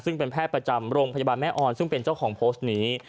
ซึ่งเป็นแพทย์ประจำโรงพยาบาลแม่ออนซึ่งเป็นเจ้าของโพสต์นี้